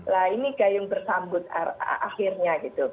nah ini gayung bersambut akhirnya gitu